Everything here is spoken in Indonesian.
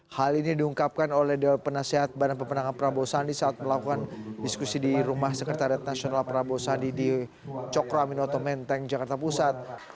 hal ini diungkapkan oleh penasihat badan pemenang prabowo sandi saat melakukan diskusi di rumah sekretariat nasional prabowo sandi di cokroaminoto menteng jakarta pusat